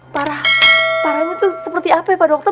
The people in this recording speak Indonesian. parah parahnya itu seperti apa ya pak dokter